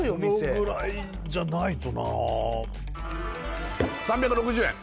このぐらいじゃないとな３６０円